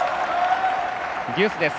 デュースです。